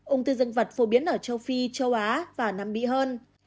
ung thư dân vật phổ biến ở châu phi châu á và nam mỹ hơn